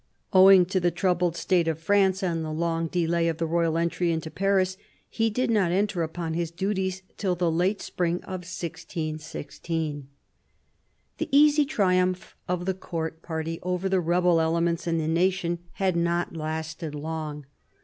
Owing to the troubled state of France and the long delay of the royal entry into Paris, he did not enter upon his duties till the late spring of 1616. The easy triumph of the Court party over the rebel elements in the nation had not lasted long.